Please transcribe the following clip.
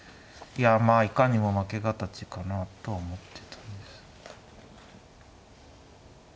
いやまあいかにも負け形かなとは思ってたんです。